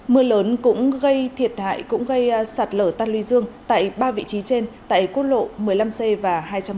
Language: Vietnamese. mưa lớn cũng gây thiệt hại cũng gây sạt lở tan lưu dương tại ba vị trí trên tại quốc lộ một mươi năm c và hai trăm một mươi bảy